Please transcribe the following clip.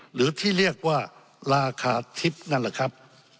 หรือที่เรียกว่าราคาทิพย์นั่นแหละครับ